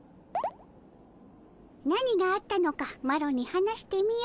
何があったのかマロに話してみよ。